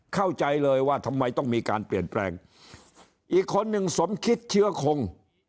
เข้าใจเลยว่าทำไมต้องมีการเปลี่ยนแปลงอีกคนหนึ่งสมคิดเชื้อคง